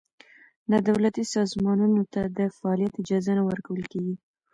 نا دولتي سازمانونو ته د فعالیت اجازه نه ورکول کېږي.